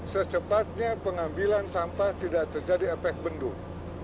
secepatnya pengambilan sampah tidak terjadi efek bendung